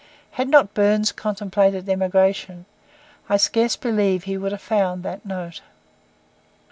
Had not Burns contemplated emigration, I scarce believe he would have found that note.